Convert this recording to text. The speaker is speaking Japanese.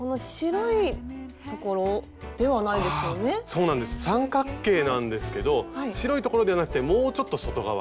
そうなんです三角形なんですけど白い所ではなくてもうちょっと外側。